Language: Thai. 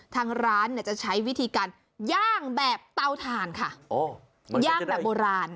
ทางร้านเนี่ยจะใช้วิธีการย่างแบบเตาถ่านค่ะย่างแบบโบราณ